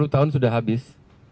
dua puluh tahun sudah habis